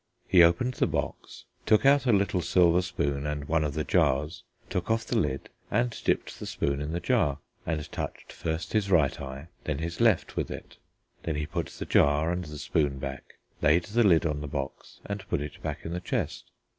He opened the box, took out a little silver spoon and one of the jars, took off the lid and dipped the spoon in the jar and touched first his right eye and then his left with it. Then he put the jar and the spoon back, laid the lid on the box and put it back in the chest.